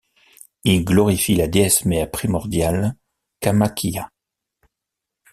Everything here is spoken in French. Il glorifie la déesse mère primordiale Kamakhya.